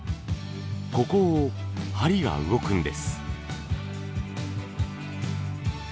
ここを針が動くんです。